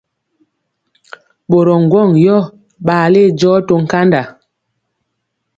Ɓorɔ ŋgwɔŋ yɔ ɓale jɔɔ to nkanda.